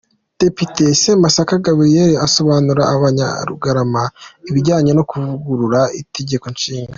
Depite Semasaka Gabriel asobanurira abanya-Rugarama ibijyanye no kuvugurura Itegeko Nshinga.